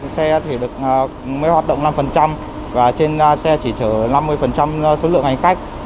xe thì mới hoạt động năm và trên xe chỉ chở năm mươi số lượng hành khách